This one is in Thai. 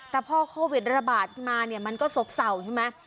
แต่พอโควิดระบาดมาเนี่ยมันก็ซบเศร้าใช่ไหม